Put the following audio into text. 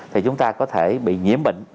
thì chúng ta có thể bị nhiễm bệnh